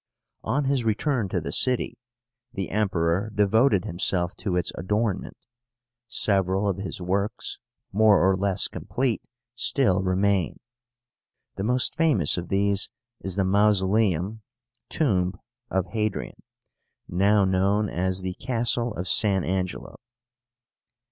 On his return to the city, the Emperor devoted himself to its adornment. Several of his works, more or less complete, still remain. The most famous of these is the MAUSOLÉUM (Tomb) OF HADRIAN, now known as the Castle of San Angelo.